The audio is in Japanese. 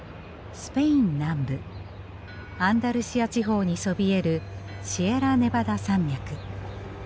スペイン南部アンダルシア地方にそびえるシエラネバダ山脈。